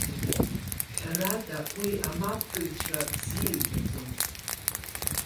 Ҳәарада, уи амапкыҩцәа бзиа ибаӡом.